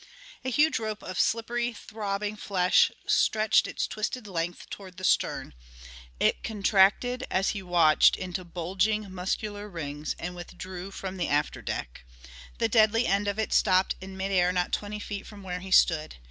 A huge rope of slippery, throbbing flesh stretched its twisted length toward the stern. It contracted as he watched into bulging muscular rings and withdrew from the afterdeck. The deadly end of it stopped in mid air not twenty feet from where he stood.